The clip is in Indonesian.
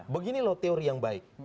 begini loh teori yang baik